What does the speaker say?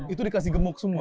itu dikasih gemuk semua